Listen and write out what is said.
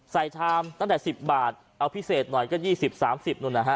ชามตั้งแต่๑๐บาทเอาพิเศษหน่อยก็๒๐๓๐นู่นนะฮะ